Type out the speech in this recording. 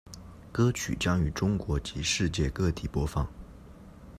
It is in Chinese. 歌曲将于中国及世界各地播放。